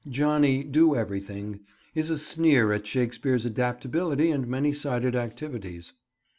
_ "Johnny Do everything," is a sneer at Shakespeare's adaptability and many sided activities.